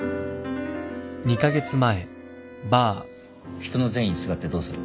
人の善意にすがってどうする。